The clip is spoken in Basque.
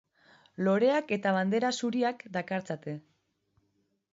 Loreak eta bandera zuriak dakartzate.